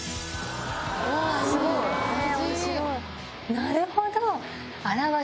なるほど！